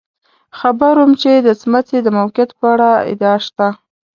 خبر وم چې د څمڅې د موقعیت په اړه ادعا شته.